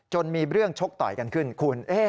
มีเรื่องชกต่อยกันขึ้นคุณ